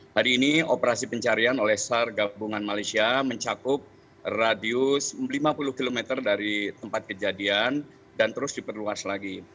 hari ini operasi pencarian oleh sar gabungan malaysia mencakup radius lima puluh km dari tempat kejadian dan terus diperluas lagi